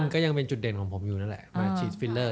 ก็ยังเป็นจุดเด่นของผมอยู่นั่นแหละมาฉีดฟิลเลอร์